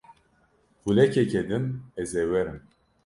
Xulekeke din ez ê werim.